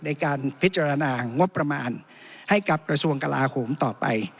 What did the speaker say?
ในการพิจารณางบประมาณให้กับกระทรวงกลาโหมต่อไป